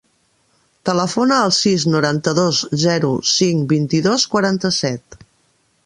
Telefona al sis, noranta-dos, zero, cinc, vint-i-dos, quaranta-set.